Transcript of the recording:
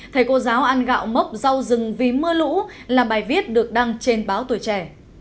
thầy cô giáo ăn gạo mốc rau rừng vì mưa lũ là bài viết được đăng trên báo tuổi trẻ